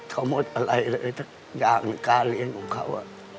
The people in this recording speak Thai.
เขาหมดอะไรเลยสักอย่างในการเรียนของเขา